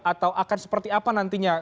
atau akan seperti apa nantinya